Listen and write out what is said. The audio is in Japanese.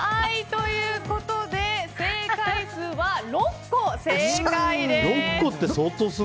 ということで正解数は６個正解です。